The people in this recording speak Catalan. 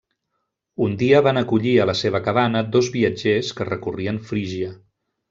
Un dia van acollir a la seva cabana dos viatgers que recorrien Frígia.